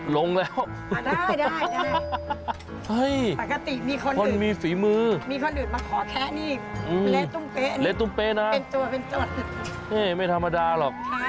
ลงแล้วอะได้มีคนหลืดขอแค่นี่ริตุ๋มเป๊ะไว้ไม่ธรรมดาหรอก